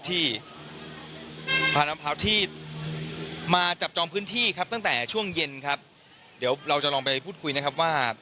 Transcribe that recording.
ที่พาน้ำพักที่มาจับจองพื้นที่ครับตั้งแต่ช่วงเย็นครับเดี๋ยวเราจะลองไปพูดคุยนะครับว่า